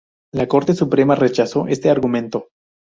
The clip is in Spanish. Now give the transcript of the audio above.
La Corte Suprema rechazó este argumento.